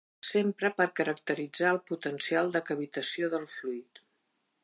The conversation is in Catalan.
S'empra per caracteritzar el potencial de cavitació del fluid.